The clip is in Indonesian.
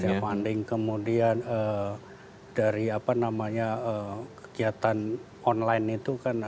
ya funding kemudian dari apa namanya kegiatan online itu kan